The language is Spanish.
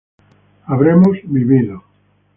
habremos vivido